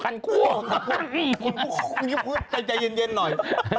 อย่าจ่ายเย็นหน่อย